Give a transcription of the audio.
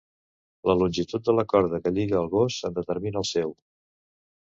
La longitud de la corda que lliga el gos en determina el seu.